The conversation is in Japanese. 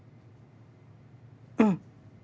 うん。